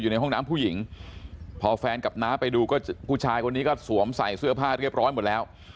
ในห้องน้ำผู้หญิงพอแฟนกับน้าไปดูก็ผู้ชายคนนี้ก็สวมใส่เสื้อผ้าเรียบร้อยหมดแล้ว